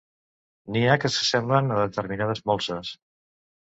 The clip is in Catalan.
N'hi ha que s'assemblen a determinades molses.